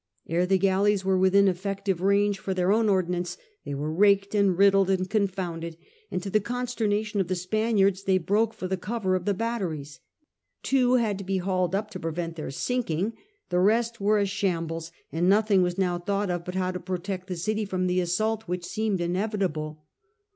Ere the galleys were within effect ive range for their own ordnance .they were raked and riddled and confounded, and to the consternation of the Spaniards they broke for the cover of the batteries. Two had to be hauled up to prevent their sinking, the rest were a shambles, and nothing was now thought of but how to protect the city from the assault which seemed inevitable.